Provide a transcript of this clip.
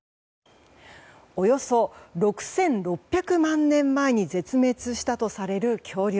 およそ６６００万年前に絶滅したとされる恐竜。